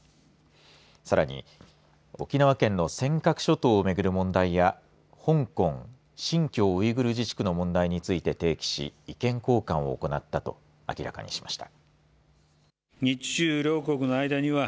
さらに沖縄県の尖閣諸島をめぐる問題や香港、新疆ウイグル自治区の問題について提起し意見交換を行ったと明らかにしました。